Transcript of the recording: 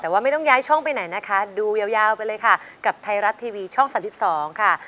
แต่ว่าไม่ต้องย้ายช่องไปไหนนะคะดูยาวไปเลยค่ะกับไทยรัฐทีวีช่อง๓๒ค่ะ